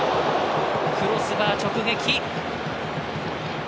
クロスバー直撃。